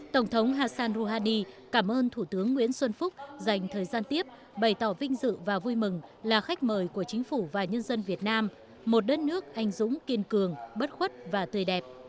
tổng thống hassan rouhani cảm ơn thủ tướng nguyễn xuân phúc dành thời gian tiếp bày tỏ vinh dự và vui mừng là khách mời của chính phủ và nhân dân việt nam một đất nước anh dũng kiên cường bất khuất và tươi đẹp